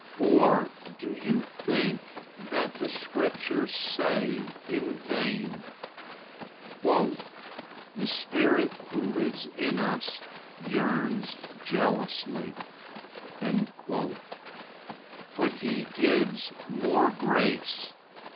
004:005 Or do you think that the Scripture says in vain, "The Spirit who lives in us yearns jealously"? 004:006 But he gives more grace.